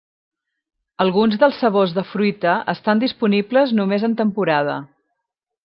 Alguns dels sabors de fruita estan disponibles només en temporada.